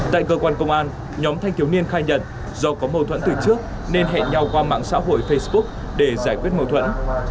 tại cơ quan công an nhóm thanh thiếu niên khai nhận do có mâu thuẫn từ trước nên hẹn nhau qua mạng xã hội facebook để giải quyết mâu thuẫn